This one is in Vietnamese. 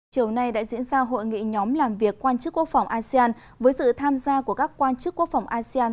chiều nay đã diễn ra hội nghị nhóm làm việc quan chức quốc phòng asean với sự tham gia của các quan chức quốc phòng asean